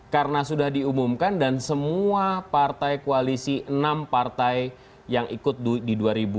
karena sudah diumumkan dan semua partai koalisi enam partai yang ikut di dua ribu dua puluh